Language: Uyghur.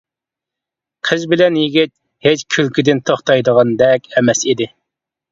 قىز بىلەن يىگىت ھېچ كۈلكىدىن توختايدىغاندەك ئەمەس ئىدى.